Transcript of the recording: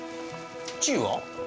チーは？